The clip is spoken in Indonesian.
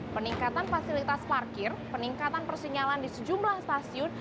peningkatan fasilitas parkir peningkatan persinyalan di sejumlah stasiun